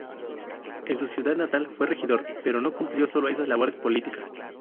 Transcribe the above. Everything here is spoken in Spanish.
En su ciudad natal fue regidor, pero no cumplió sólo esas labores políticas.